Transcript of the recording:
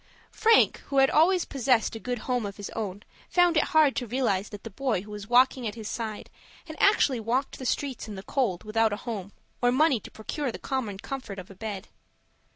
Frank, who had always possessed a good home of his own, found it hard to realize that the boy who was walking at his side had actually walked the streets in the cold without a home, or money to procure the common comfort of a bed.